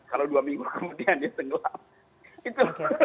kalau dua minggu kemudian ya tenggelam